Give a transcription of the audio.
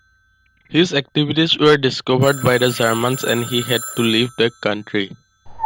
His activities were discovered by the Germans and he had to leave the country.